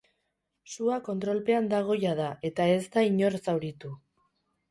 Sua kontrolpean dago jada, eta ez da inor zauritu.